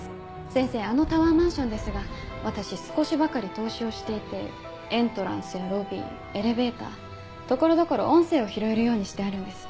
先生あのタワーマンションですが私少しばかり投資をしていてエントランスやロビーエレベーター所々音声を拾えるようにしてあるんです。